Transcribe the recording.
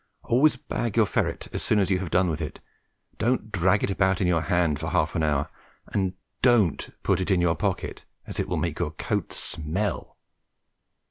Always bag your ferret as soon as you have done with it; don't drag it about in your hand for half an hour, and don't put it in your pocket, as it will make your coat smell.